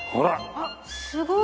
あっすごい！